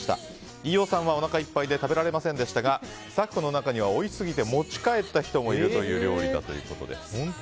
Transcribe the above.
飯尾さんはおなかいっぱいで食べられませんでしたがスタッフの中にはおいしすぎて持ち帰った人もいるという料理だそうです。